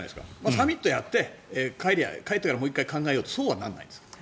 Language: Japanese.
サミットをやって帰ってからもう１回考えようとそうはならないんですか？